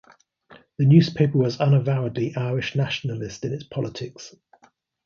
The newspaper was unavowedly Irish nationalist in its politics.